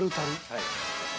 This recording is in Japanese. はい。